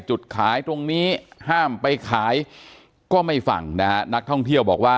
อ๋อเจ้าสีสุข่าวของสิ้นพอได้ด้วย